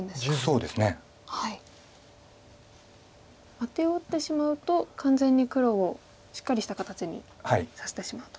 アテを打ってしまうと完全に黒をしっかりした形にさせてしまうと。